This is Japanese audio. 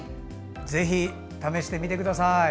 ぜひ、試してみてください。